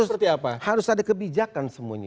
kan ini kan harus ada kebijakan semuanya